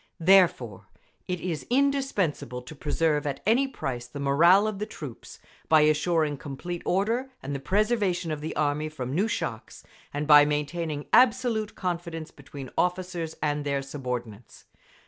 Therefore it is indispensable to preserve at any price the morale of the troops, by assuring complete order and the preservation of the Army from new shocks, and by maintaining absolute confidence between officers and their subordinates.